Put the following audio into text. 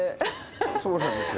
そうなんですよ。